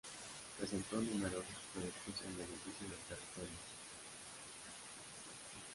Presentó numerosos proyectos en beneficio del territorio.